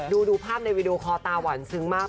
ดูภาพในวีดีโอคอตาหวานซึ้งมาก